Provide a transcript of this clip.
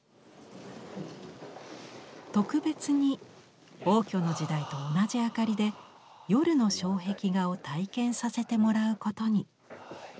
特別に応挙の時代と同じ灯りで夜の障壁画を体験させてもらうことに。